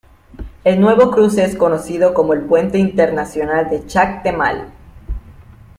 El nuevo cruce es conocido como el Puente Internacional de Chac-Temal.